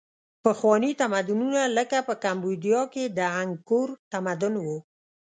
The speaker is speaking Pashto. پخواني تمدنونه لکه په کامبودیا کې د انګکور تمدن و.